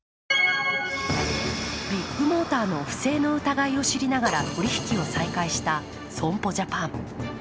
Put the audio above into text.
ビッグモーターの不正の疑いを知りながら取り引きを再開した損保ジャパン。